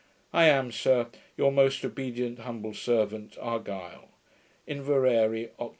I am, sir, Your most obedient humble servant, ARGYLE. Inveraray, Oct.